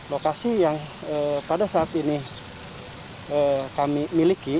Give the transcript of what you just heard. lokasi yang pada saat ini kami miliki